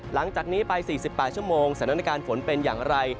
หลังจากนี้ไป๔๘ชั่วโมงสถานการณ์ฝนเป็นอย่างไร